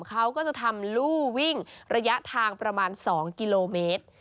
เขาก็จะทำลู่วิ่งระยะทางประมาณ๒กิโลเมตร